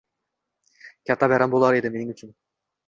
Katta bayram bo’lar edi mening uchun.